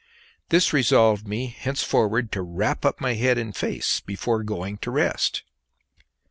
This resolved me henceforward to wrap up my head and face before going to rest.